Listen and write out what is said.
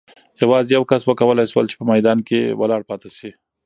یوازې یو کس وکولای شول چې په میدان کې ولاړ پاتې شي.